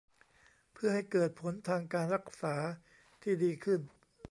เพื่อให้เกิดผลทางการรักษาที่ดีขึ้น